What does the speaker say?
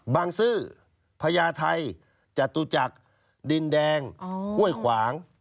ซื่อพญาไทยจตุจักรดินแดงห้วยขวาง